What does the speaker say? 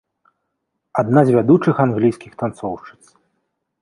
Адна з вядучых англійскіх танцоўшчыц.